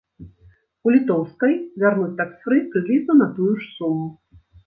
У літоўскай вярнуць таксфры прыблізна на тую ж суму.